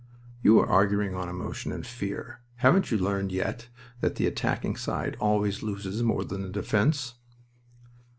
"You are arguing on emotion and fear. Haven't you learned yet that the attacking side always loses more than the defense?"